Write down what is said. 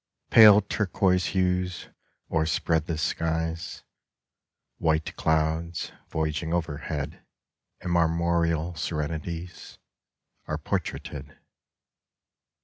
Pale turquoise hues o'erspread the skies: White clouds, voyaging overhead In marmoreal serenities Are portraited.